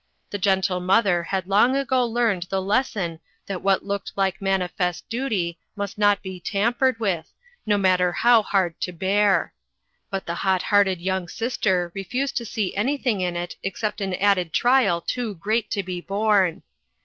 The gentle mother had long ago learned the les son that what looked like manifest duty must not be tampered with, no matter how hard to bear ; but the hot hearted young sister refused to see anything in it except an added trial too great to be borne.